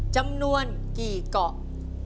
จำนวนกี่เกาะ